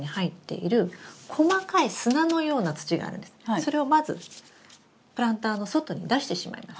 それをまずプランターの外に出してしまいます。